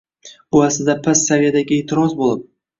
Bu aslida past saviyadagi e’tiroz bo‘lib